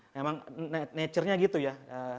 memang nature nya gitu ya